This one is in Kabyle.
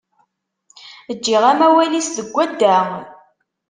Ǧǧiɣ amawal-is deg wadda.